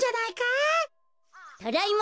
ただいま。